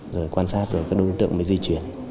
rồi quan sát rồi các đối tượng mới di chuyển